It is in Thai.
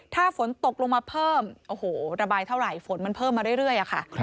ถ้าฝนตกลงมาเพิ่มโอ้โหระบายเท่าไหร่ฝนมันเพิ่มมาเรื่อยค่ะ